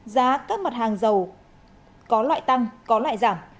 giá các mặt hàng dầu có loại tăng có loại giảm